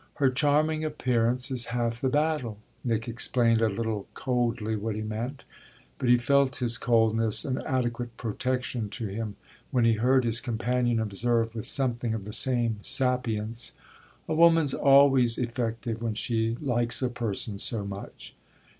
"Her charming appearance is half the battle" Nick explained a little coldly what he meant. But he felt his coldness an inadequate protection to him when he heard his companion observe with something of the same sapience: "A woman's always effective when she likes a person so much."